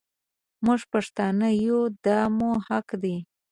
مونږ پښتانه يو دا مو حق دی.